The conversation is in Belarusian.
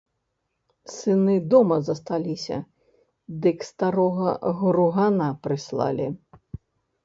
Сыны дома засталіся, дык старога гругана прыслалі!